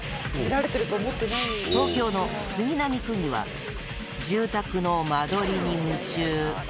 東京の杉並区議は住宅の間取りに夢中。